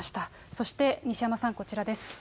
そして、西山さん、こちらです。